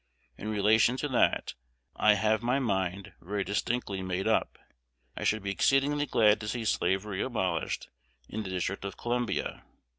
In relation to that, I have my mind very distinctly made up. I should be exceedingly glad to see slavery abolished in the District of Columbia.